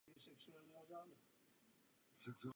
V současné době žije se svou ženou a dvěma dětmi v Anglii.